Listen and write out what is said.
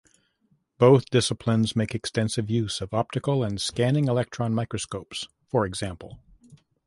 Both disciplines make extensive use of optical and scanning electron microscopes, for example.